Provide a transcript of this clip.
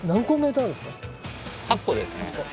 ８個ですね。